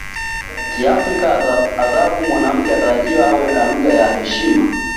Kiafrika aghalabu mwanamke anatarajiwa awe na lugha ya heshima